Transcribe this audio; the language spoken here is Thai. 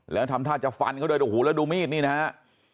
แล้วทำท่าจากฟันเขาด้วยดูหูแล้วดูมีดนี่นะครับ